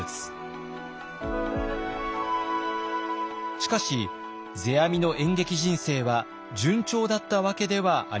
しかし世阿弥の演劇人生は順調だったわけではありません。